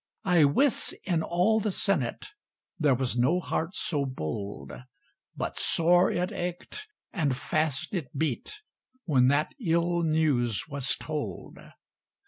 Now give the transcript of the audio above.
I wis, in all the Senate There was no heart so bold But sore it ached, and fast it beat, When that ill news was told.